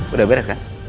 udah beres kan